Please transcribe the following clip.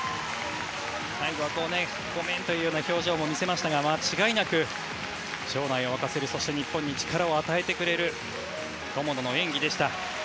最後はごめんというような表情も見せましたが間違いなく場内を沸かせるそして日本に力を与えてくれる友野の演技でした。